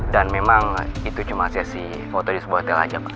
dan memang itu cuma sesi foto di sebuah tel aja pak